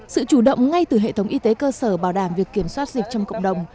sự chủ động ngay từ hệ thống y tế cơ sở bảo đảm việc kiểm soát dịch trong cộng đồng